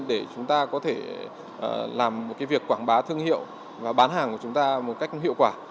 để chúng ta có thể làm một việc quảng bá thương hiệu và bán hàng của chúng ta một cách hiệu quả